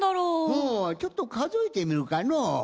ほうちょっとかぞえてみるかのう。